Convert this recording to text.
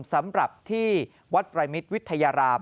สำหรับที่วัดไตรมิตรวิทยาราม